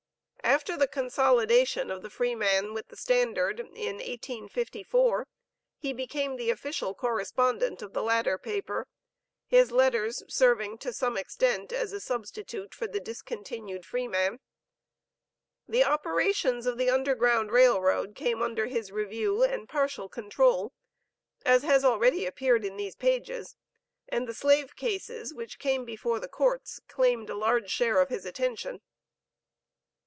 After the consolidation of the Freeman with the Standard, in 1854, he became the official correspondent of the latter paper, his letters serving to some extent as a substitute for the discontinued Freeman. The operations of the Underground Rail Road came under his review and partial control, as has already appeared in these pages, and the slave cases which came before the courts claimed a large share of his attention.